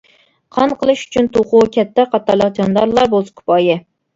قان قىلىش ئۈچۈن توخۇ، كەپتەر قاتارلىق جاندارلار بولسا كۇپايە.